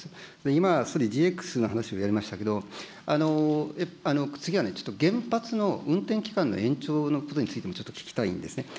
今、ＧＸの話をやりましたけど、次はちょっと原発の運転期間の延長のことについてもちょっと聞きたいんですね。